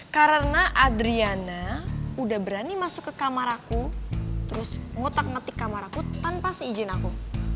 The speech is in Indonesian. karena adriana udah berani masuk ke kamar aku terus ngotak mati kamar aku tanpa izin aku